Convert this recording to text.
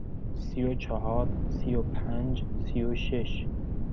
سی و چهار، سی و پنج، سی و شش.